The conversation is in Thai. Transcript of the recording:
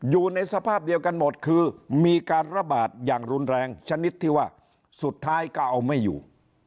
อยู่ในสภาพเดียวกันหมดคือมีการระบาดอย่างรุนแรงชนิดที่ว่าสุดท้ายก็เอาไม่อยู่